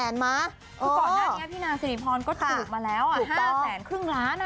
คือก่อนหน้านี้พี่นางสิริพรก็ถูกมาแล้วถูก๙แสนครึ่งล้าน